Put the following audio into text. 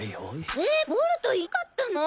えっボルトいなかったの！？